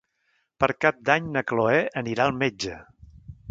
Per Cap d'Any na Chloé anirà al metge.